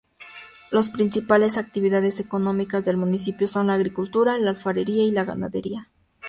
Las principales actividades económicas del municipio son la agricultura, la alfarería y la ganadería.